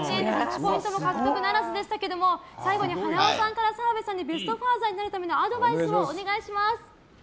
ポイントも獲得ならずでしたが最後にはなわさんから澤部さんにベストファーザーになるためのアドバイスをお願いします。